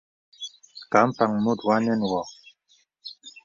Ka mpàŋ mùt wa nə̀n wɔ.